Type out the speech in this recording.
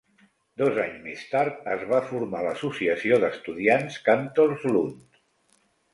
Dos anys més tard es va formar l'Associació d'Estudiants Cantors Lund.